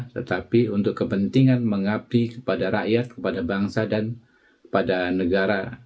tetapi untuk kepentingan mengabdi kepada rakyat kepada bangsa dan kepada negara